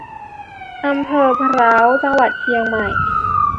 อำเภอพร้าว จังหวัดเชียงใหม่